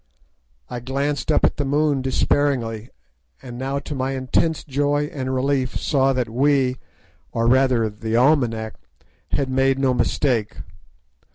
I glanced up at the moon despairingly, and now to my intense joy and relief saw that we—or rather the almanack—had made no mistake.